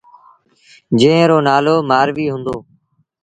جݩهݩ رو نآلو مآروي هُݩدو۔